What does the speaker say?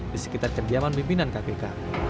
di sekitar kediaman pimpinan kpk